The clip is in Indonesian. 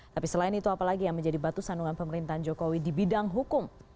tapi selain itu apalagi yang menjadi batu sandungan pemerintahan jokowi di bidang hukum